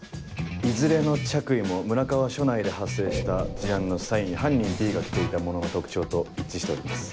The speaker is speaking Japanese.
いずれの着衣も村川署内で発生した事案の際に犯人Ｂが着ていたものの特徴と一致しております。